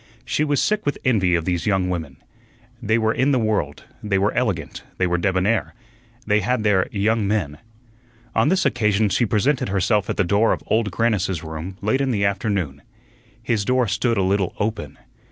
She was sick with envy of these young women. They were in the world, they were elegant, they were debonair, they had their "young men." On this occasion she presented herself at the door of Old Grannis's room late in the afternoon. His door stood a little open.